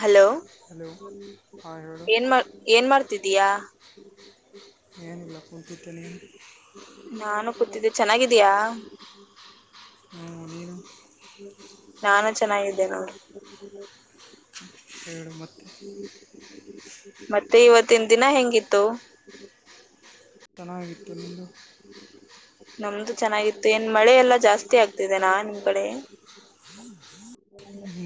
Hello hello ಹಾಂ ಹೇಳು ಏನ್ ಏನ್ ಮಾಡ್ತಾ ಇದ್ದೀಯಾ. ಏನ್ ಇಲ್ಲ ಕೂತಿದ್ದೀನಿ. ನಾನು ಕೂತಿದ್ದೆ ಚೆನ್ನಾಗಿದೆಯಾ. ಹೂ ನೀನು. ನಾನು ಚೆನ್ನಾಗಿದೆನು. ಹೇಳು ಮತ್ತೆ. ಮತ್ತೆ ಇವತ್ತಿನ ದಿನ ಹೇಗಿತ್ತು. ಚೆನ್ನಾಗಿತ್ತು, ನಿಂದು. ನಮ್ದು ಚೆನ್ನಗಿತ್ತು ಏನ್ ಮಳೆಯಲ್ಲ ಜಾಸ್ತಿ ಇದ್ಯಾ ಆಗ್ತಾನಿಮ್ಮ ಕಡೆ.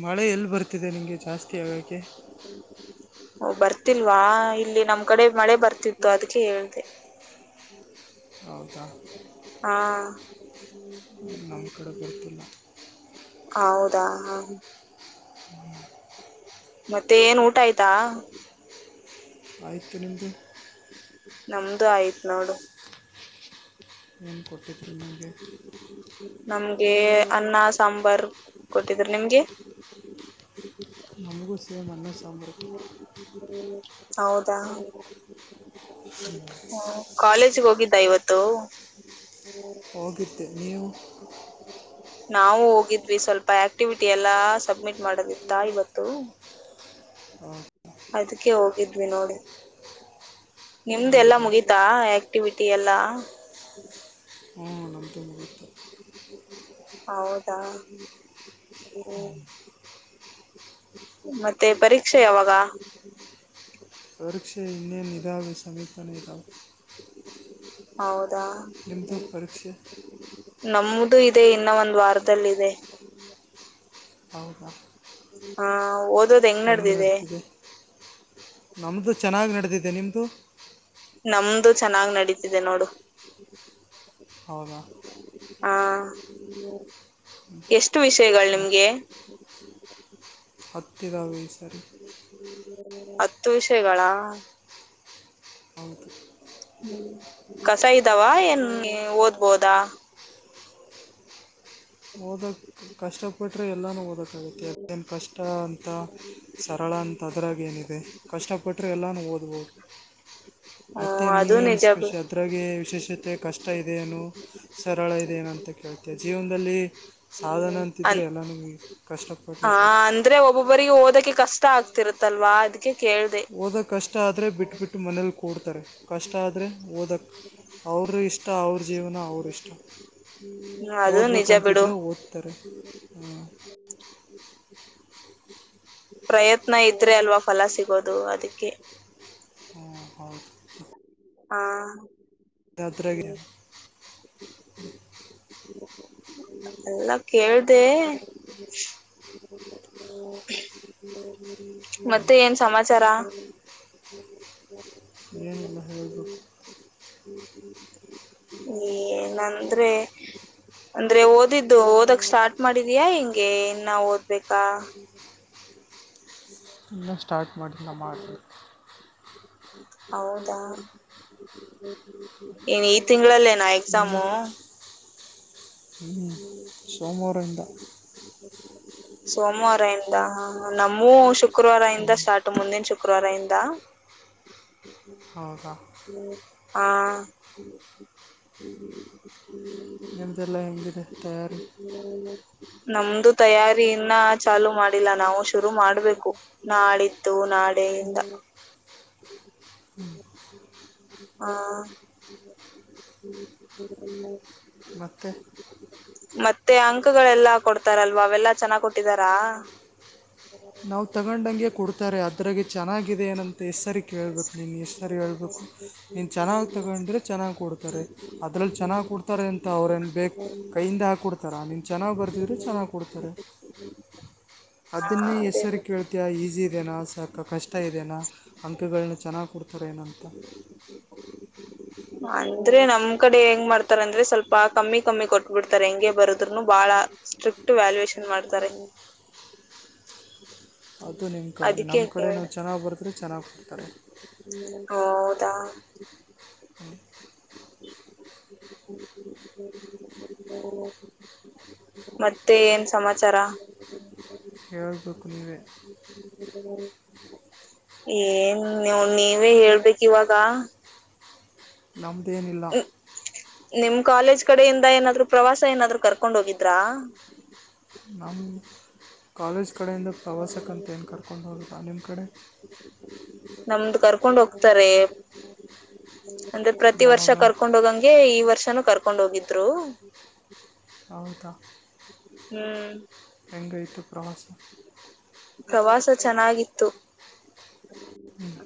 ಮಳೆಯಲ್ಲಿ ಬರ್ತಾ ಇದೆ ಜಾಸ್ತಿ ಆಗೋಕೆ ಬರ್ತಿಲ್ವಾ ನಮ್ ಕಡೆ ಮಳೆ ಬರ್ತಾ ಇದೆ ಅದಕ್ಕೆ ಹೇಳಿದೆ. ಹೌದಾ. ಹಾಆ ಹಾ. ನಮ್ ಕಡೆ ಬರ್ತಿಲ್ಲ. ಹೌದ ಹಾ. ಹ್ಮ್ಮ್. ಮತ್ತೆ ಏನು ಊಟ ಆಯ್ತಾ. ಹ್ಮ್ಮ್. ನಮ್ದು ಆಯ್ತು ನೋಡು. ಏನೋ ಒಂದು ಕೊಟ್ಟಿರ್ತೀನಿ ನಿಂಗೆ. ಅನ್ನ ಸಾಂಬಾರ್ ಕೊಟ್ಟಿದ್ರು ನಿಮಗೆ. ನಮ್ಗೂ ಸೇಮ್ ಅನ್ನ ಸಾಂಬಾರ ಐತೆ ಹೌದಾ ಓ ಕಾಲೇಜಿಗೆ ಹೋಗಿದ್ದ ಇವತ್ತು ಹೋಗಿದ್ದೆ ನೀವು ನಾವು ಹೋಗಿದ್ವಿ ಸ್ವಲ್ಪ ಎಕ್ಟಿವಿಟಿ ಎಲ್ಲಾ ಸಬ್ಮಿಟ್ ಮಾಡದಿತ್ತಾ ಇವತ್ತು [inaudible] ಅದ್ಕೆ ಹೋಗಿದ್ವಿ ನೋಡು ನಿಮ್ದೆಲ್ಲಾ ಹೌದಾ ಮುಗಿತಾ ಆಕ್ಟಿವಿಟಿ ಎಲ್ಲಾ ಹ್ಞೂ ನಮ್ಮದು ಮುಗೀತು ಹೌದಾ ಮತ್ತೆ ಪರೀಕ್ಷೆ ಯಾವಾಗ ಪರೀಕ್ಷೆ ಇನ್ನೇನು ಇದಾವೆ ಸಮೀಪನೆ ಇದಾವೆ ಹೌದ ನಿಮ್ದು ಪರೀಕ್ಷೆ ನಮ್ದು ಇದೆ ಇನ್ನೂ ಒಂದು ವಾರದಲ್ಲಿ ಇದೆ ಹೌದಾ [unintelligible] ಓದದ್ ಹೆಂಗ್ ನಡೆದಿದೆ ನಮ್ದು ಚೆನ್ನಾಗಿ ನಡೆದಿದೆ ನಿಮ್ದು ನಮ್ದು ಚೆನ್ನಾಗಿ ನಡಿತಿದೆ ನೋಡು ಹೌದಾ [unintelligible] ಎಷ್ಟು ವಿಷಯಗಳು ನಿಮ್ಗೆ ಹತ್ತ ಇದಾವೆ ವಿಷಯಗಳು ಹತ್ತು ವಿಷಯಗಳಾ ಹೌದು ಕಸ ಇದಾವಾ ಏನ್ ಓದಬಹುದಾ ಓದದ್ ಕಷ್ಟಪಟ್ಟರೆ ಎಲ್ಲಾನು ಓದಕ್ಕೆ ಆಗುತ್ತೆ ಅದೇನ್ ಕಷ್ಟ ಅಂತ ಸರಳ ಅಂತ ಅದ್ರಾಗ್ ಏನಿದೆ ಕಷ್ಟಪಟ್ಟರೆ ಎಲ್ಲಾನು ಓದಬಹುದು ಮತ್ತೆ ಹ್ಮ್ ಅದು ನೀನೇನ್ ನಿಜ ಬಿಡು ಸ್ಪೆಷಲ್ ಅದ್ರಾಗೆ ವಿಶೇಷತೆ ಕಷ್ಟ ಇದೆಯೆನೋ ಸರಳ ಇದೆಯೇನ ಅಂತ ಕೇಳ್ತಾ ಇದ್ದೀಯಾ ಜೀವನದಲ್ಲಿ ಸಾಧನ ಅಂತಿದ್ರೆ ಎಲ್ಲನೂ ಕಷ್ಟಪಡಲೇಬೇಕು ಅಂದ್ರೆ ಒಬ್ಬೊಬ್ಬರಿಗೆ ಓದೋದು ಕಷ್ಟ ಕಷ್ಟ ಆಗ್ತಿರುತ್ತಲ್ವಾ ಅದ್ಕೆ ಓದಕ್ ಕಷ್ಟಾ ಆದ್ರೆ ಬಿಟ್ ಬಿಟು ಮನೆಯಲ್ ಕುಡ್ತಾರೆ ಕಷ್ಟ ಆದ್ರೆ ಓದಕ್ ಅವರಿಷ್ಟ ಅವ್ರು ಜೀವ್ನ ಅವರಿಷ್ಟ ಹ್ಮ ಅದು ಓದಬೇಕು ನಿಜ ಅಂತ ಬಿಡು ಇದ್ರೆ ಓದ್ತಾರೆ ಪ್ರಯತ್ನ ಇದ್ರೆ ಅಲ್ವಾ ಫಲ ಸಿಗೋದು ಅದ್ಕೆ ಹ್ಮ್ ಹೌದು ಆ ರಾತ್ರಿ ಆಗಿದೆ ಎಲ್ಲಾ ಕೇಳ್ದೆ ಮತ್ತೆ ಏನ್ ಸಮಾಚಾರ ಏನಿಲ್ಲ ಹೇಳ್ಬೇಕು ನಂದ್ರೆ ಅಂದ್ರೆ ಓದಿದ್ದು ಓದಕ್ ಸ್ಟಾರ್ಟ್ ಮಾಡಿದ್ಯಾ ಹೆಂಗೆ ಇನ್ನಾ ಓದ್ಬೇಕಾ ಇನ್ನಾ ಸ್ಟಾರ್ಟ್ [unintelligible] ಹೌದಾ ಏನ್ ಈ ತಿಂಗಳಿ ಏನ್ ಎಕ್ಸಾಮು ಹೂ ಸೋಮವಾರಇಂದ ಸೋಮವಾರ ಇಂದ ಹ ನಮುವು ಶುಕ್ರ ಶುಕ್ರವಾರ ಇಂದ ಸ್ಟಾರ್ಟ್ ಮುಂದಿನ ಶುಕ್ರ ಶುಕ್ರವಾರ ಇಂದ ಹೌದಾ ಹ ನಿಮ್ಮದೆಲ್ಲ ಹೆಂಗಿದೆ ತಯಾರಿ ನಮ್ದು ತಯಾರಿ ಇನ್ನ ಚಾಲು ಮಾಡಿಲ್ಲ ನಾವ್ ಶುರು ಮಾಡಬೇಕು ನಾಡಿದ್ದು ನಾಳೆಯಿಂದ ಹ ಮತ್ತೆ ಮತ್ತೆ ಅಂಕಗಳು ಎಲ್ಲಾ ಕೊಡ್ತಾರಲ್ಲ ಅವು ಎಲ್ಲಾ ಚೆನ್ನಾಗಿ ಕೊಟ್ಟಿದ್ದಾರ ನಾವು ತಗೊಂಡಂಗೆ ಕೊಡ್ತಾರೆ ಅದರಾಗ ಚೆನ್ನಾಗಿದೆ ಏನ್ ಅಂತ ಈ ಸರಿ ಕೇಳಿಬಿಟ್ಟು ನಿಂಗ್ ಎಷ್ಟು ಸರಿ ಹೇಳಬೇಕು ಚೆನ್ನಾಗಿ ತಗೊಂಡ್ರೆ ಚೆನ್ನಾಗಿ ಕೊಡ್ತಾರೆ ಅದರಲ್ಲಿ ಚೆನ್ನಾಗಿ ಕೊಡ್ತಾರೆಅಂತ ಅವರು ಏನ್ ಬೇಕು ಕೈಯಿಂದ ಹಾಕಿ ಕೊಡ್ತಾರಾ ಚೆನ್ನಾಗಿ ಬರೆದರೆ ಚೆನ್ನಾಗಿ ಕೊಡುತ್ತಾರೆ ಹ ಅದನ್ನೇ ಎಷ್ಟು ಅದೇ ಸರಿ ಕೇಳ್ತೀಯ ಈಜಿ ಇದೇನಾ ಸಾಕಾ ಕಷ್ಟ ಇದೇನಾ ಅಂಕಗಳನೂ ಚೆನ್ನಾಗಿ ಕೊಡ್ತಾರಾ ಏನ್ ಅಂತ ಇದ್ರೆ ನಮ್ ಕಡೆ ಹೆಂಗ್ ಮಾಡ್ತಾರಂದ್ರೆ ಸ್ವಲ್ಪ ಕಮ್ಮಿ ಕಮ್ಮಿ ಕೊಟ್ಟಬಿಡ್ತಾರೆ ಹಂಗೆ ಬಾರದ್ರೂನು ಬಹಳ ಸ್ಟ್ರೀಟ್ ವ್ಯಾಲ್ಯೂಯೇಷನ್ ಮಾಡ್ತಾರೆ ಹೌದಾ ಇದು ನಿಮ್ಮಕಡೇ ಅದಕ್ಕೆ ನಮ್ ಕಡೆ ಕೇಳ್ದೆ ಚೆನ್ನಾಗ್ ಬರದ್ರೆ ಚೆನ್ನಾಗ್ ಕೊಡ್ತಾರೆ ಕರೆಕ್ಟ್ ಹೌದಾ ಹ ಮತ್ತೆ ಎನ್ ಸಮಾಚಾರ ಹೇಳಬೇಕು ನೀವೇ ಎನ್ ನೀವೇ ಹೇಳಬೇಕು ಇವಾಗ ನಮ್ದು ಏನಿಲ್ಲ ನಿಮ್ ಕಾಲೇಜ್ ಕಡೆಯಿಂದ ಏನಾದರೂ ಪ್ರವಾಸ ಏನ್ ಆದ್ರೂ ಕರ್ಕೊಂಡ್ ಹೋಗಿದ್ರಾ ನಮ್ ಕಾಲೇಜ್ ನಾಮ್ ಕಡೆ ಇಂದ ಪ್ರವಾಸ ಏನು ಕರ್ಕೊಂಡು ಹೋಗಿಲ್ಲ ನಿಮ್ ಕಡೆ ನಮಗೂ ಕರ್ಕೊಂಡು ಹೋಗ್ತಾರೆ ಪ್ರತಿವರ್ಷ ಯಾವಾಗ ಕರ್ಕೊಂಡ್ ಹೋಗಂಗೆ ಈ ವರ್ಷನು ಕರ್ಕೊಂಡು ಹೋಗಿದ್ದರು ಹೌದಾ ಹ್ಮ್ ಹೆಂಗಾಯ್ತು ಪ್ರವಾಸ ಪ್ರವಾಸ ಚೆನ್ನಾಗಿತ್ತು. ಹ್ಮ್ಮ್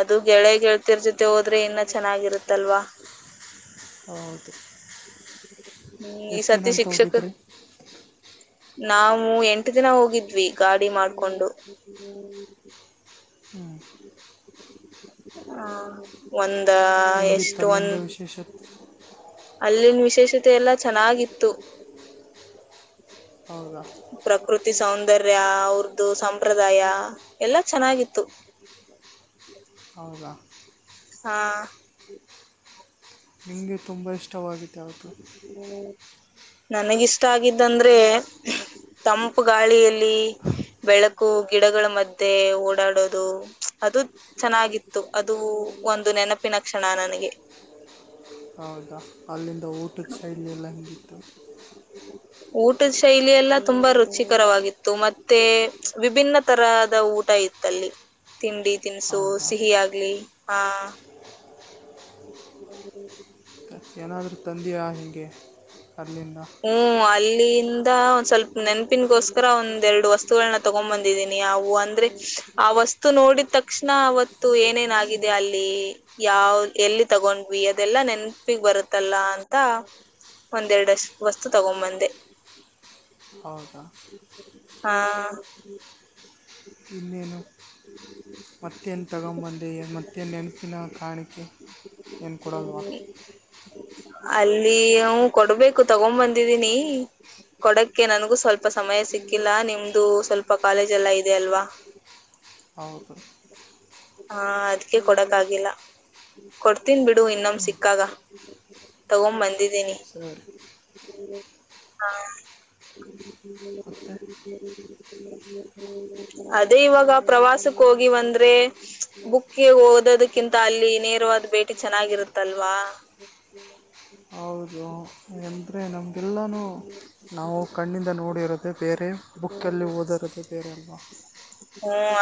ಅದು ಗೆಳೆಯ ಗೆಳತಿಯರ ಜೊತೆ ಹೋದ್ರೆ ಇನ್ನಾ ಚೆನ್ನಾಗಿರುತ್ತೆ ಅಲ್ವಾ ಹೌದು ಈ ಎಷ್ಟು ದಿನ ಸತಿ ಅಂತ ಶಿಕ್ಷಕರ್. ಹೋಗಿದ್ರಿ ನಾವ್ ಎಂಟು ಜನ ಹೋಗಿದ್ವಿ ಗಾಡಿ ಮಾಡ್ಕೊಂಡು ಮಾಡ್ಕೊಂಡು ಹ್ಮ್ಮ್ ಆ ಒಂದ್. ಹೆಂಗಿತ್ತು ಅಲ್ಲಿದ್ ವಿಶೇಷತ್. ಅಲ್ಲಿನ್ ವಿಶೇಷತೆಯಲ್ಲ ಚೆನ್ನಾಗಿತ್ತು. ಹೌದಾ ಪ್ರಕೃತಿ ಸೌಂನ್. ದರ್ಯ ಅವ್ರ್ದು ಸಂಪ್ರದಾಯ ಎಲ್ಲಾ ಚೆನ್ನಾಗಿತ್ತು ಹೌದಾ ಹಾ ನಿಂಗೆ ತುಂಬಾ ಇಷ್ಟವಾಗಿದ್ದು ಯಾವ್ದು. ಹ್ಮ್ಮ್ ನನಗಿಷ್ಟವಾಗಿದ್ದು ಅಂದ್ರೆ ತಂಪು ಗಾಳಿಯಲ್ಲಿ ಬೆಳಕು ಗಿಡಗಳ ಮಧ್ಯೆ ಓಡಾಡೋದು ಅದು ಚೆನ್ನಾಗಿತ್ತು ಅದು ನೆನಪಿನ ಒಂದು ಕ್ಷಣ ನನಗೆ ಹೌದ ಅಲ್ಲಿನ್. ಊಟದ ಶೈಲಿ ಎಲ್ಲ ಹೆಂಗಿತ್ತು ಊಟ ಶೈಲಿ ಎಲ್ಲ ತುಂಬಾ ರುಚಿಕರವಾಗಿತ್ತು ಮತ್ತೆ ವಿಭಿನ್ನ ತರಹದ ಊಟ ಎಲ್ಲ ಇತ್ತು ಅಲ್ಲಿ ತಿಂಡಿ ತಿನಿಸು ಹೌದಾ ಸಿಹಿಯಾಗಲಿ. ಹಾ [unintelligible] ಏನಾದ್ರೂ ತಂದಿಯ ಹೆಂಗೆ ತರ್ಲಿಲ್ಲ ಹ್ಮ್ ಅಲ್ಲಿಂದ ಸ್ವಲ್ಪ ನೆನಪಿನ ಗೋಸ್ಕರ ಒಂದೆರಡು ವಸ್ತುಗಳನ್ನು ತಗೋ ಬಂದಿದೀನಿ ಅವು ಅಂದ್ರೆ ವಸ್ತು ನೋಡಿದ್ ತಕ್ಷಣ ಅವತ್ತು ಏನೇನಾಗಿದೆ ಅಲ್ಲಿ ಯಾವು ಎಲ್ಲಿ ತಗೊಂಡ್ವಿ ಅದೆಲ್ಲ ನೆನಪಿಗೆ ಬರುತ್ತಲ್ಲ ಅಂಥ ಒಂದೆರಡು ಅಷ್ಟು ವಸ್ತು ತಗೋಬಂದೆ. ಹೌದಾ ಹಾ ಇನ್ನೇನು ಮತ್ತೇನ್ ತಗೋ ಬಂದೆ ಮತ್ತೆ ನೆನಪಿನ ಕಾಣಿಕೆ ಏನು ಕೊಡಲ್ವಾ ಅಲ್ಲಿ ಹ್ಮ್ಮ್ ಕೊಡಬೇಕು ತಗೋ ಬಂದಿದೀನಿ ಕೊಡಕ್ಕೆ ನನಗೂ ಸ್ವಲ್ಪ ಸಮಯ ಸಿಕ್ಕಿಲ್ಲ ನಿಮ್ದು ಸ್ವಲ್ಪ ಕಾಲೇಜೆಲ್ಲ ಇದಿಯಲ್ವಾ. ಹೌದು. ಹಾ ಅದಕ್ಕೆ ಕೊಡಕ್ ಆಗಿಲ್ಲ ಕೊಡ್. ಕೊಡ್ತೀನಿ ಬಿಡು ಇನ್ನೊಮ್ಮೆ ಸಿಕ್ಕಾಗ ತಗೊಂಡ್ ಬಂದ್. ದೀನಿ ಸರಿ ಹಾ ಮತ್ತೆ ಅದೇ ಇವಾಗ ಪ್ರವಾಸಕ್ಕೆ ಹೋಗಿವಿ ಅಂದ್ರೆ. ಬುಕ್ಕೆ ಹೋದದಕ್ಕಿಂತ ಅಲ್ಲಿ ನೇರವಾದ ಬೇಟಿ ಚೆನ್ನಾಗಿರುತ್ತೆ ಅಲ್ವಾ. [unintelligible] ಎಲ್ಲನೂ ನಾವು ಕಣ್ಣಿಂದ ನೋಡಿರೋದು [inaudible] ಬುಕ್ಕಲ್ಲಿ ಓದಕತ್ತಿದ್ದೇನೆ [unintelligible]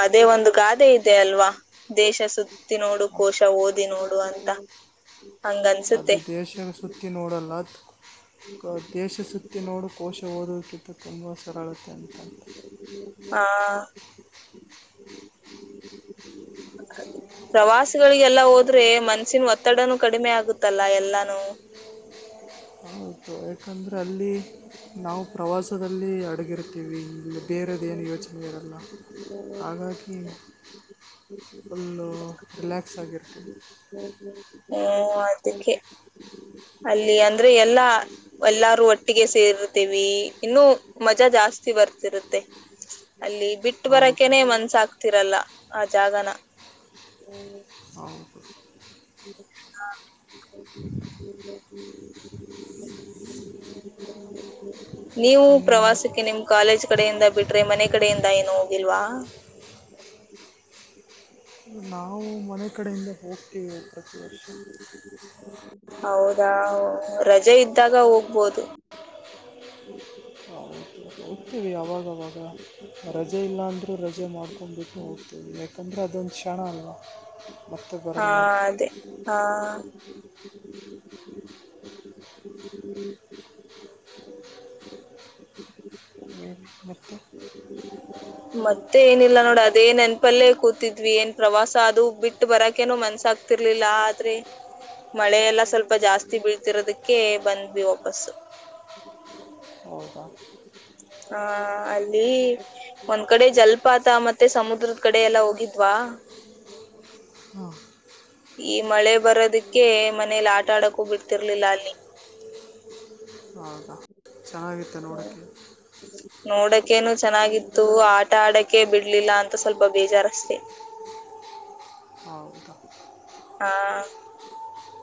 ಅದೇ ಒಂದು ಗಾದೆ ಇದೆ ಅಲ್ವಾ ದೇಶ ಸುತ್ತಿ ನೋಡು ಕೋಶ ಓದಿ ನೋಡು ಹಂಗನ್ಸುತ್ತೆ ಅದು ದೇಶ ಸುತ್ತಿ ನೋಡು ಅಲ್ಲ ದೇಶ ಸುತ್ತಿ ನೋಡು ಕೋಶ [unintelligible] ಹಾ ಪ್ರವಾಸಗಳಿಗೆ ಹೋಗಿದ್ರೆ ಮನಸ್ಸಿನ ಒತ್ತಡ ಕಡಿಮೆಯಾಗುತ್ತದೆ ಎಲ್ಲಾನು ಯಾಕಂದ್ರೆ ನಾವು ಅಲ್ಲಿ ಪ್ರವಾಸದಲ್ಲಿ ಅಡೆದುಕೊಂಡಿರುತ್ತೇವೆ ಬೇರೆದೇನು ಯೋಚನೆ ಇರಲ್ಲ ಹಾಗಾಗಿ ಫುಲ್ಲು ರಿಲಾಕ್ಸ್ ಆಗಿರ್ತೀವಿ ಅದಕ್ಕೆ ಅಲ್ಲಿ ಅಂದ್ರೆ ಎಲ್ಲಾ ಎಲ್ಲರೂ ಒಟ್ಟಿಗೆ ಸೇರಿರುತ್ತೇವೆ ಇನ್ನು ಮಜಾ ಜಾಸ್ತಿ ಬರುತ್ತಿರುತ್ತೆ ಅಲ್ಲಿ ಬಿಟ್ಟು ಬರೋಕೆ ಹೌದು ಮನಸ್ ಆಗ್ತಾ ಇಲ್ಲ ಆ ಜಾಗನ ಹೌದು [inaudible] [inaudible] [unintelligible] ನೀವು ನಿಮ್ ಇನ್ನೇನು ಪ್ರವಾಸಕ್ಕೆ ಕಾಲೇಜ್ ಮನೆ ಕಡೆಯಿಂದ ಏನು ಹೋಗಿಲ್ವಾ ನಾವು ಮನೆ ಕಡೆಯಿಂದಲೇ ಹೋಗ್ತಿವಿ ಹೌದಾ ರಜೆ ಇದ್ದಾಗ ಹೋಗಬಹುದು ಹೌದು ಹೋಗ್ತೀವಿ ಅವಾಗ ರಜೆ ಇಲ್ಲ ಅಂದ್ರೆ ರಜೆ ಮಾಡು ಹೋಗ್ತಿವಿ ಅಂದರೆ ಅದೊಂದು ಕ್ಷಣ ಅಲ್ವಾ ಮತ್ತೆ ಬರಲ್ಲ ಹಾದೆ ಹಾ [inaudible] [unintelligible] ಏನ್ ಮತ್ತೆ ಮತ್ತೆ ಏನಲ್ಲ ಅದೇ ನೆನಪಲ್ಲಿ ಕುಂತಿದ್ವಿ ಎನ್ ಪ್ರವಾಸ ಬಿಟ್ಟು ಬರೋಕೆ ಮನಸ್ಸಾಗಲಿಲ್ಲ ಆದರೆ ಮಳೆಯಲ್ಲ ಜಾಸ್ತಿ ಬೀಳು ಸಲೊವಾಗಿ ಬಂದೆ ವಾಫೀಸ್ ಹೌದಾ ಹಾ ಅಲ್ಲಿ ಒಂದ್ ಕಡೆ ಜಲಪಾತ ಮತ್ತೆ ಸಮುದ್ರ ಕಡೆ ಹೋಗಿದ್ವಾ ಹಾಂ ಈ ಮಳೆ ಬರೋದಿಕ್ಕೆ ಮನೆಯಲ್ಲಿ ಆಟ ಆಡೋಕೆ ಬಿಡುತ್ತಿರಲಿಲ್ಲ ಅಲ್ಲಿ ಚೆನ್ನಾಗಿತ್ತಾ ನೋಡಕ್ಕೆ ನೋಡೋಕೆ ಏನು ಚೆನ್ನಾಗಿತ್ತು ಆಟ ಆಡೋಕೆ ಬಿಡ್ಲಿಲ್ಲ ಅಂತ ಸ್ವಲ್ಪ ಬೇಜಾರ್ ಅಷ್ಟೇ ಹೌದಾ [unintelligible]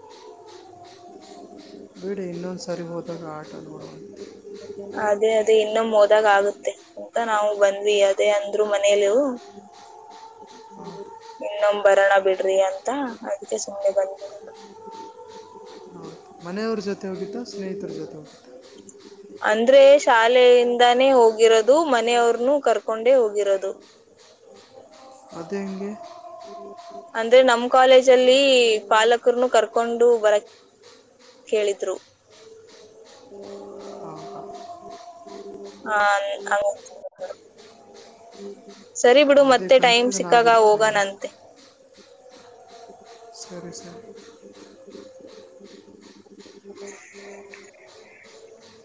[inaudible] ಇನ್ನೊಂದ್ ಸರಿ ಹೋದಾಗ ಆಟೋ ನೋಡುವ [unintelligible] ಅದೇ ಅದೇ ಇನ್ನು ಮೋದಲಾಗುತ್ತೆ ಅಂತ ನಾವು ಬಂದ್ವಿ ಅದೇ ಅಂದ್ರು ಮನೇಲು ಇನ್ನೊಮ್ಬರಣ [unintelligible] ಬಿಡ್ರಿ ಅಂತ ಅದಕ್ಕೆ ಸುಮ್ಮನೆ ಬಂದ್ವಿ ಮನೆಯವರಜತ್ [unintelligible] ಸ್ನೇಹಿತರ ಜೊತೆ ಹೋಗಿದ್ದ ಅಂದ್ರೆ ಶಾಲೆಯಿಂದ ನೇ ಹೋಗಿರೋದು ಮನೆ ಅವ್ರ್ನ ಕರ್ಕೊಂಡು ಹೋಗಿರೋದು ಅದೆಂಗೆ [inaudible] ಅಂದ್ರೆ ನಮ್ ಕಾಲೇಜಲ್ಲಿ ಬಾಲಕನ್ನು ಕರ್ಕೊಂಡು ಬರಕ್ [inaudible] ಕೇಳಿದ್ರು ಹೌದಾ [inaudible] [unintelligible] [inaudible] ಸರಿ ಬಿಡು ಅದೇ ಮತ್ತೆ ಟೈಮ್ ಕನ್ಫ್ಯೂಷನ್ ಸಿಕ್ಕಗ ಆಗ್ಬಿಡುತ್ತೆ ನನಗೆ ಹೋಗೋಣಂತೆ ಸರಿ ಸರಿ [inaudible]